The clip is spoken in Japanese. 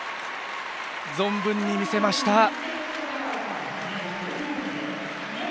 存分に見せました。